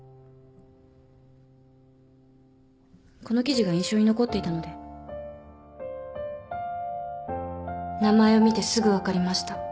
この記事が印象に残っていたので名前を見てすぐ分かりました。